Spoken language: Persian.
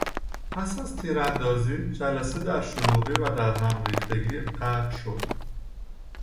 پس از تیراندازی جلسه در شلوغی و در هم ریختگی غرق شد.